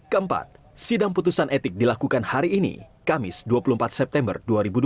keempat sidang putusan etik dilakukan hari ini kamis dua puluh empat september dua ribu dua puluh